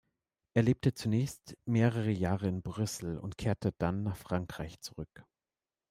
Er lebte zunächst mehrere Jahre in Brüssel, und kehrte dann nach Frankreich zurück.